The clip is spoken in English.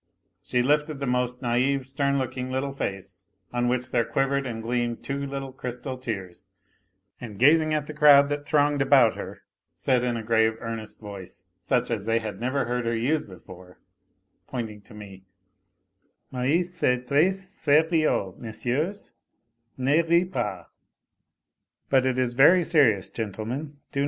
She lifted the most naive, stern looking little face, on which there quivered and gleamed two little crystal tears, and gazing at the crowd that thronged about her said in a grave, earnest voice, such as they had never heard her use before, pointing to me :" Mais c'est tres serieux, messieurs, ne riez pas !